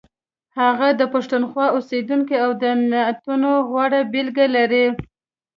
هغه د پښتونخوا اوسیدونکی او د نعتونو غوره بېلګې لري.